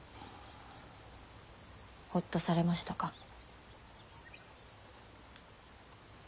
ほっとされましたか。